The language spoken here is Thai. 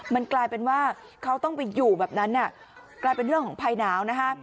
มันกลายเป็นว่าเขาต้องไปอยู่แบบนั้นกลายเป็นเรื่องของภัยหนาวนะฮะ